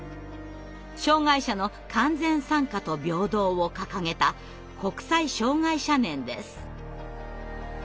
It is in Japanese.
障害者の完全参加と平等を掲げた国際障害者年です。